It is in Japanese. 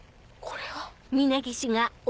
これは。